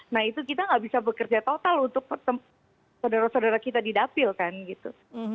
nah itu kita nggak bisa bekerja total untuk saudara saudara kita didapilkan gitu